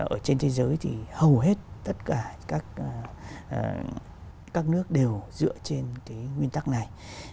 ở trên thế giới thì hầu hết tất cả các nước đều dựa trên cái nguyên tắc này